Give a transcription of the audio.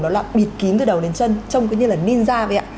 đó là bịt kín từ đầu đến chân trông cứ như là ninja vậy ạ